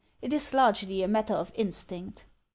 It is largely a matter of instinct."